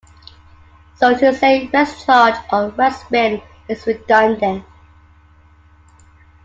So, to say "rest charge" or "rest spin" is redundant.